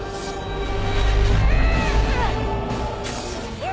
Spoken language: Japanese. うっ！